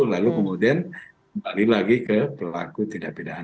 lalu kemudian balik lagi ke pelaku tidak pidana